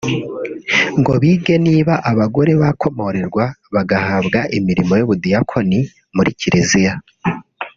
ngo bige niba abagore bakomorerwa bagahabwa imirimo y’ubudiyakoni muri Kiliziya